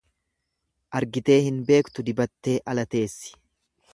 Argitee hin beektu dibattee ala teessi.